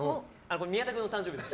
宮田君の誕生日で。